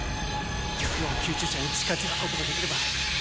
要救助者に近づくことができれば。